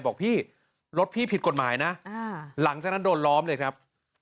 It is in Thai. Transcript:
บอกพี่รถพี่ผิดกฎหมายนะหลังจากนั้นโดนล้อมเลยครับ